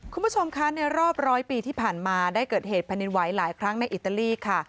คุณผู้ชมคะในรอบร้อยปีที่ผ่านมาได้เกิดเหตุแผ่นดินไหวหลายครั้งในอิตาลีค่ะ